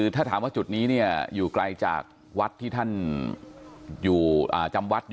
ถ้าถามว่าอยู่ไกลจากจำวัด